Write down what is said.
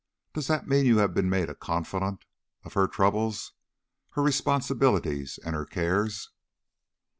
Does that mean you have been made a confidante of her troubles, her responsibilities, and her cares?"